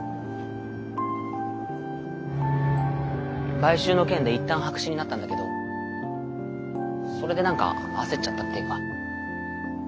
買収の件でいったん白紙になったんだけどそれで何か焦っちゃったっていうか。